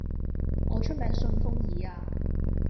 我出名順風耳呀